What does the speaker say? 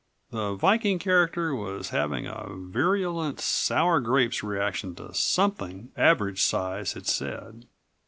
The Viking character was having a virulent sour grapes reaction to something Average Size had said.